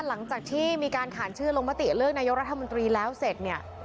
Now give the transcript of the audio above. หลังจากที่มีการขานชื่อลงมติเลือกนายกรัฐมนตรีแล้วเสร็จเนี่ย